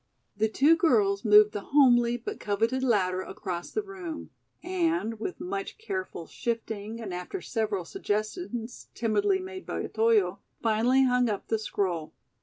'" The two girls moved the homely but coveted ladder across the room, and, with much careful shifting and after several suggestions timidly made by Otoyo, finally hung up the scroll.